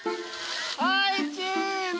はいチーズ！